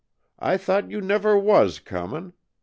I thought you never was cornin'.